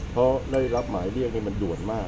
เพราะได้รับหมายเรียกให้มันด่วนมาก